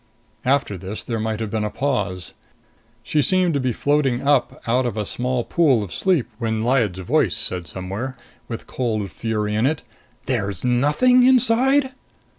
After this, there might have been a pause. She seemed to be floating up out of a small pool of sleep when Lyad's voice said somewhere, with cold fury in it: "There's nothing inside?"